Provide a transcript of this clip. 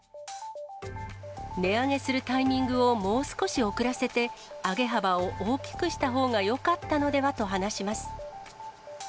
値上げするタイミングをもう少し遅らせて、上げ幅を大きくしたほうがよかったのではと話します。